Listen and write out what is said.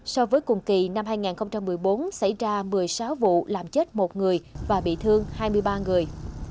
so với cùng kỳ năm hai nghìn một mươi bốn xảy ra một mươi sáu vụ làm chết một người và bị thương hai mươi ba người